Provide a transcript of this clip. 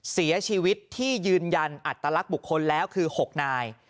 เสียชีวิตที่ยืนยันอัตลักษณ์บุคคลแล้วคือ๖นาย